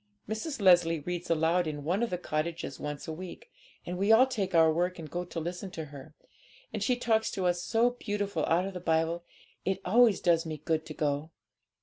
Mrs. Leslie reads aloud in one of the cottages once a week; and we all take our work and go to listen to her, and she talks to us so beautiful out of the Bible; it always does me good to go.'